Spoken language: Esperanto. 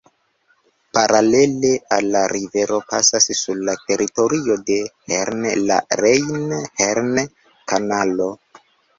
Paralele al la rivero pasas sur la teritorio de Herne la Rejn-Herne-Kanalo.